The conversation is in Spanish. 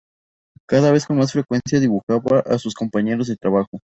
Cada vez con más frecuencia dibujaba a sus compañeros de trabajo.